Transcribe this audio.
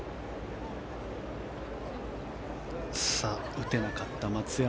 打てなかった松山。